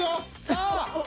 さあ！